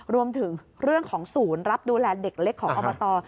รวมถึงเรื่องของศูนย์รับดูแลเด็กเล็กของอบต